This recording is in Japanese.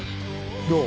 どう？